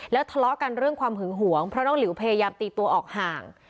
ทะเลาะกันเรื่องความหึงหวงเพราะน้องหลิวพยายามตีตัวออกห่าง